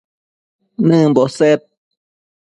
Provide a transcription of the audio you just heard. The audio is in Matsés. nëmbo sed